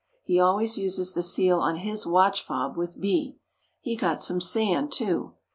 He always uses the seal on his watch fob with "B." He got some sand, too.